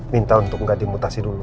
minta untuk nggak dimutasi dulu